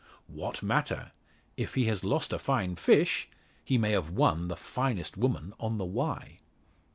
What matter? If he has lost a fine fish, he may have won the finest woman on the Wye!